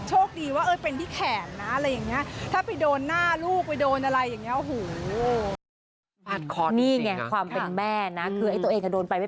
โชคดีว่าเป็นพี่แข็งนะอะไรอย่างนี้